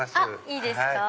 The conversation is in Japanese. いいですか？